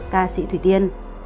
ca sĩ thủy tiên